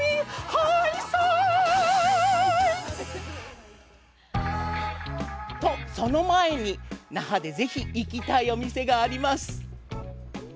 ハイサイ！！と、その前に那覇でぜひ行きたいお店があります。